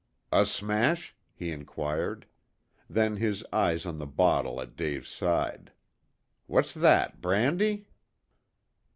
"A smash?" he inquired. Then, his eyes on the bottle at Dave's side: "What's that brandy?"